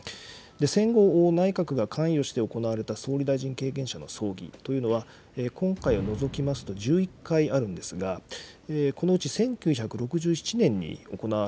戦後、内閣が関与して行われた総理大臣経験者の葬儀というのは、今回を除きまして１１回あるんですが、このうち１９６７年に行わ